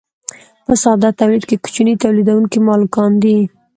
په ساده تولید کې کوچني تولیدونکي مالکان دي.